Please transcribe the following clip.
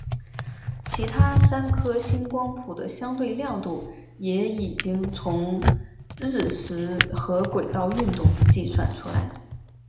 其他三颗星光谱的相对亮度也已经从日食和轨道运动计算出来。